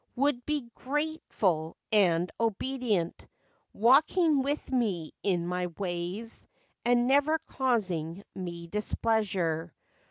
IOI Would be grateful and obedient, Walking with me in my ways, and Never causing me displeasure.